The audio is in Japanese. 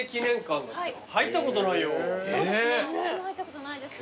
私も入ったことないです。